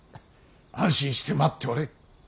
安心して待っておれ。